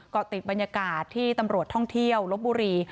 เกาะติดบรรยากาศที่ตำรวจท่องเที่ยวลบบุรี